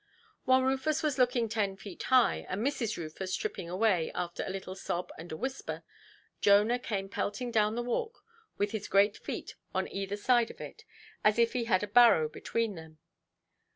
While Rufus was looking ten feet high, and Mrs. Rufus tripping away, after a little sob and a whisper, Jonah came pelting down the walk with his great feet on either side of it, as if he had a barrow between them.